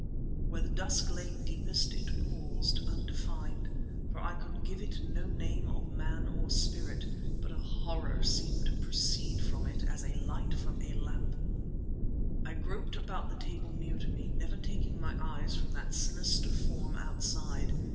Where the dusk lay deepest it paused, undefined; for I could give it no name of man or spirit. But a horror seemed to proceed from it as light from a lamp. I groped about the table near to me, never taking my eyes from that sinister form outside.